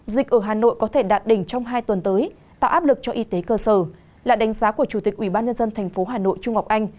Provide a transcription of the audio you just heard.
dịch ở hà nội có thể đạt đỉnh trong hai tuần tới tạo áp lực cho y tế cơ sở là đánh giá của chủ tịch ubnd tp hà nội trung ngọc anh